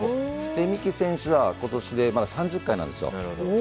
三木選手はことしでまだ３０回なんですよ。